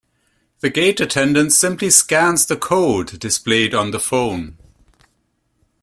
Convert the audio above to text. The gate attendant simply scans the code displayed on the phone.